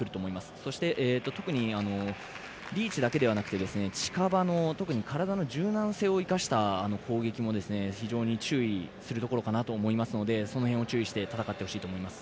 そして特にリーチだけではなくて近場の体の柔軟性を生かした攻撃も非常に注意するところかなと思いますのでその辺を注意して戦ってほしいと思います。